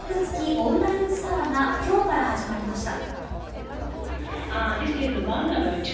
オンラインツアーが今日から始まりました。